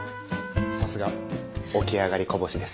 さすが起き上がりこぼしです。